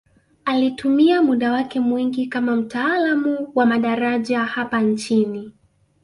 Alitumia muda wake mwingi kama mtaalamu wa madaraja hapa nchini